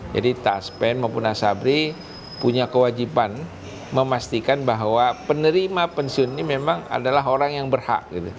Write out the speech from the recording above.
jadi taspen maupun asabri punya kewajiban memastikan bahwa penerima pensiun ini memang adalah orang yang berhak